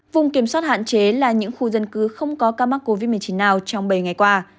vùng kiểm soát hạn chế là những khu dân cư không có ca mắc covid một mươi chín nào trong bảy ngày qua